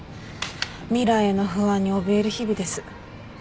未来の不安におびえる日々です。